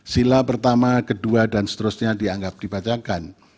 sila pertama kedua dan seterusnya dianggap dibacakan